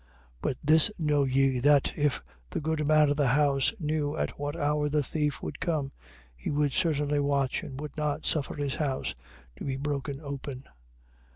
24:43. But this know ye, that, if the goodman of the house knew at what hour the thief would come, he would certainly watch and would not suffer his house to be broken open.